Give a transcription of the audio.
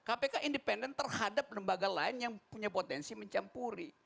kpk independen terhadap lembaga lain yang punya potensi mencampuri